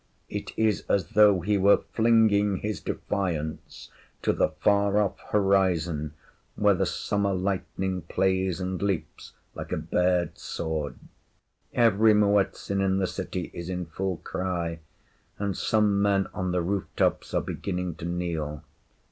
’ It is as though he were flinging his defiance to the far off horizon, where the summer lightning plays and leaps like a bared sword. Every Muezzin in the city is in full cry, and some men on the roof tops are beginning to kneel.